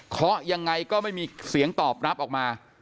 ยังไงก็ไม่มีเสียงตอบรับออกมา